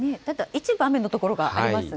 一部雨の所がありますね。